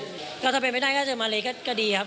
ถ้าเกิดที่ไม่ได้บางสัญญาถ้าเหลือมาเลเซียตาร์ก็ดีครับ